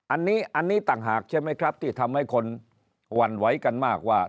อันนี้อันนี้ต่างหากใช่ไหมครับที่ทำให้คนหวั่นไหวกันมากว่า